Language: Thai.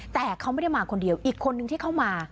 แต่เขาไม่ได้มาคนเดียวอีกคนนึงที่เข้ามา